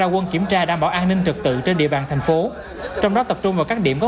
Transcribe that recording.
quân kiểm tra đảm bảo an ninh trực tự trên địa bàn thành phố trong đó tập trung vào các điểm có